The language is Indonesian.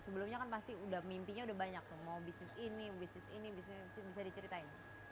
sebelumnya kan pasti mimpinya udah banyak tuh mau bisnis ini bisnis ini bisnis bisa diceritain